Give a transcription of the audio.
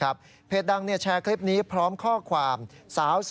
อ่านี่เป็นภาพเหตุการณ์